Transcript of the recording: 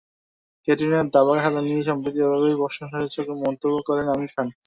ক্যাটরিনার দাবা খেলা নিয়ে সম্প্রতি এভাবেই প্রশংসাসূচক মন্তব্য করেন আমির খান।